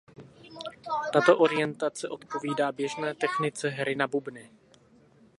Tato orientace odpovídá běžné technice hry na bubny.